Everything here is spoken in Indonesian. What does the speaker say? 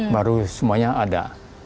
baru semuanya ada